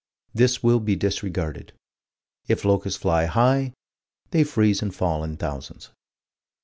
This will be disregarded: If locusts fly high, they freeze and fall in thousands.